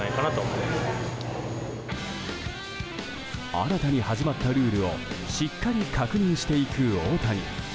新たに始まったルールをしっかり確認していく大谷。